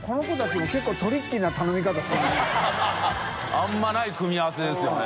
あんまりない組み合わせですよね。